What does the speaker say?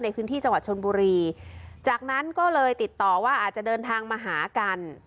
ในพื้นที่จังหวัดชนบุรีจากนั้นก็เลยติดต่อว่าอาจจะเดินทางมาหากัน